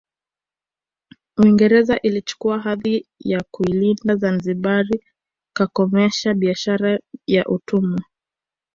Uingereza ilichukua hadhi ya kuilinda Zanzibari kakomesha biashara ya utumwa